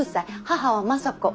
母は政子。